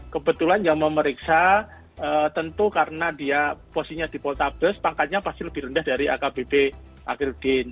kebetulan yang memeriksa tentu karena dia posisinya dipotables pangkatnya pasti lebih rendah dari akbb akhildin